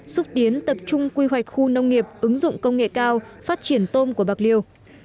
xúc tiến tập trung quy hoạch khu nông nghiệp ứng dụng công nghệ cao phát triển tôm của bạc liêu